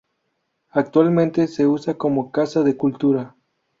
Actualmente se usa como casa de cultura.